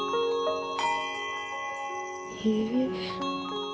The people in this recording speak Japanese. へえ。